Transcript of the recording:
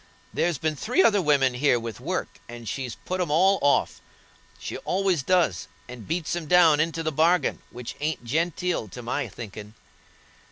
There's been three other women here with work, and she's put 'em all off. She always does, and beats 'em down into the bargain, which ain't genteel to my thinkin'."